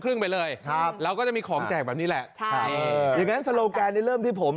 ครึ่งไปเลยครับเราก็จะมีของแจกแบบนี้แหละใช่อย่างงั้นโซโลแกนนี้เริ่มที่ผม